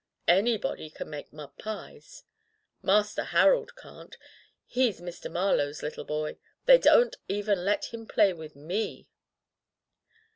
'* "Anybody can make mud pies.'* "Master Harold can't. He's Mr. Mar lowe's little boy. They don't even let him play with m^."